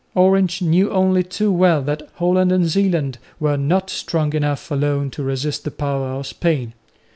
Orange knew only too well that Holland and Zeeland were not strong enough alone to resist the power of Spain.